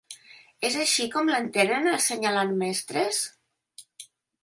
És així com l’entenen, assenyalant mestres?